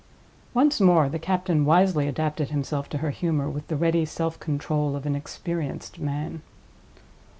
Once more the captain wisely adapted himself to her humor with the ready self control of an experienced man.